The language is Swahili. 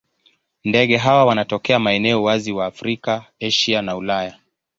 Ndege hawa wanatokea maeneo wazi wa Afrika, Asia na Ulaya.